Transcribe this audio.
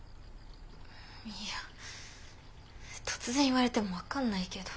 いや突然言われても分かんないけど。